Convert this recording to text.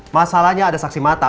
masalahnya ada saksi mata